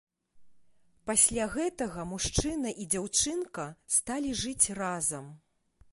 Пасля гэтага мужчына і дзяўчынка сталі жыць разам.